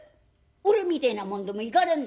俺みてえな者でも行かれんのか？